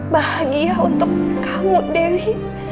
bahagia untuk kamu dewi